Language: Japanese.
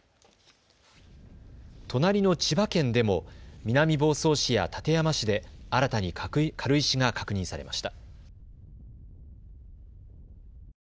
隣の千葉県でも、南房総市や館山市で新たに軽石が確認されました。